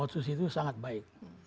otsusi itu sangat baik